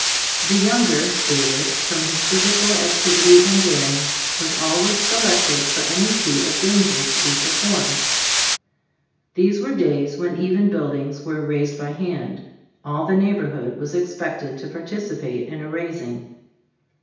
The younger, David, from his physical ac tivity and daring, was always selected for any feat of danger to be per formed. These were days when even build ings were "raised by hand." All the neighborhood wa3 expected to partic £be Storg of Ag dbilftbood 79 ipate in a "raising."